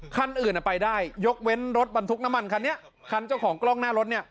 คันอื่นไปได้ยกเว้นรถบรรทุกน้ำมันคันนี้คันเจ้าของกล้องหน้ารถเนี่ย